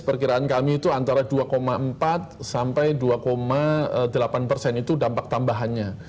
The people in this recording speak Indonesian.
perkiraan kami itu antara dua empat sampai dua delapan persen itu dampak tambahannya